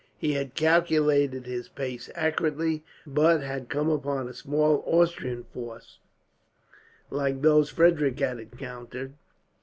He had calculated his pace accurately, but had come upon a small Austrian force, like those Frederick had encountered.